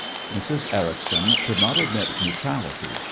Mrs. Ericson could not admit neutrality.